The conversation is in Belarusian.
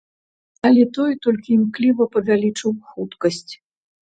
Але той толькі імкліва павялічыў хуткасць.